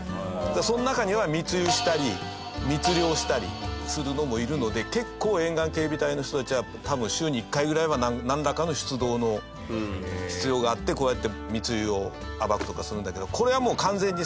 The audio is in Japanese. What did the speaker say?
その中には密輸したり密漁したりするのもいるので結構沿岸警備隊の人たちは多分週に１回ぐらいはなんらかの出動の必要があってこうやって密輸を暴くとかするんだけど。